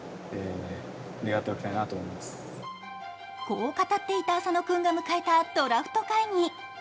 こう語っていた浅野君が迎えたドラフト会議。